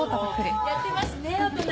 やってますねお隣。